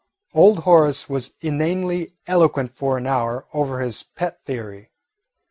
Old Horace was inanely eloquent for an hour over his pet theory.